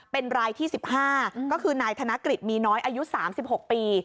เป็นรายที่๑๕ก็คือนายธนกฤษมีน้อยอายุ๓๖ปี